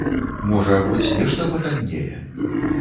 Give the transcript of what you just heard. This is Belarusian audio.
Можа, хоць нешта патаннее?